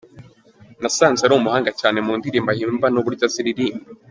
Nasanze ari umuhanga cyane, mu ndirimbo ahimba n’uburyo aziririmba.